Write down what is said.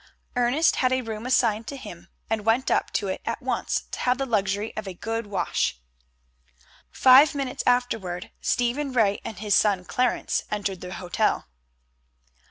Ernest had a room assigned to him, and went up to it at once to have the luxury of a good wash. Five minutes afterward Stephen Ray and his son Clarence entered the hotel.